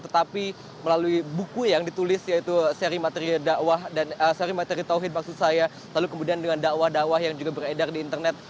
tetapi melalui buku yang ditulis yaitu seri materi da'wah dan seri materi tauhid maksud saya lalu kemudian dengan da'wah da'wah yang juga beredar di internet